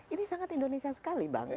ini sangat indonesia sekali bang